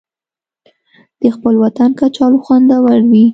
د خپل وطن کچالو خوندور وي